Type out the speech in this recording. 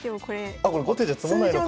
あこれ５手じゃ詰まないのか。